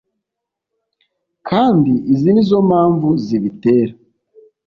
kandi izi nizo mpamvu zibitera